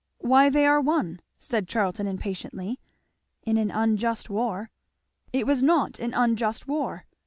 "Why they are one" said Charlton impatiently. "In an unjust war" "It was not an unjust war!"